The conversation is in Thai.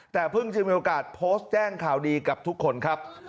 แต่เพิ่งจะมีโอกาสโพสต์แจ้งข่าวดีกับทุกคนครับ